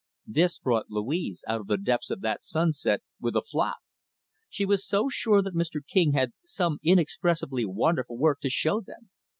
This brought Louise out of the depths of that sunset, with a flop. She was so sure that Mr. King had some inexpressibly wonderful work to show them.